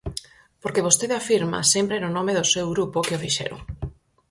Porque vostede afirma sempre no nome do seu grupo que o fixeron.